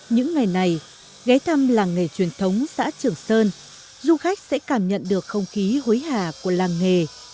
những ngày này ghé thăm làng nghề truyền thống xã trường sơn du khách sẽ cảm nhận được không khí hối hà của làng nghề